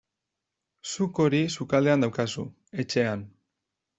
Zuk hori sukaldean daukazu, etxean.